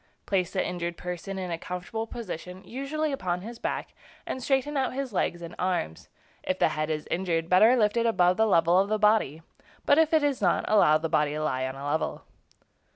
Place the injured person in a comfortable position, usually upon his back, and straighten out his legs and arms. If the head is injured, better lift it above the level of the body; but if it is not, allow the body to lie on a level.